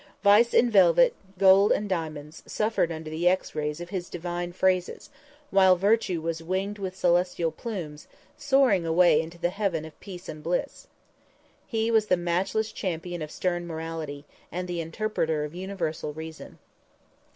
Vice in velvet, gold and diamonds, suffered under the X rays of his divine phrases, while virtue was winged with celestial plumes, soaring away into the heaven of peace and bliss. He was the matchless champion of stern morality, and the interpreter of universal reason.